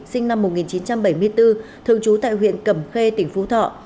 sinh năm một nghìn chín trăm bảy mươi bốn thường trú tại huyện cẩm khê tỉnh phú thọ